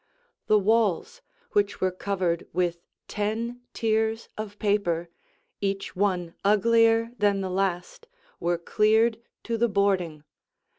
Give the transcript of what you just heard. The walls, which were covered with ten tiers of paper, each one uglier than the last, were cleared to the boarding.